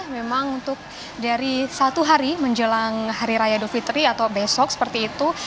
memang untuk dari satu hari menjelang hari raya idul fitri atau besok seperti itu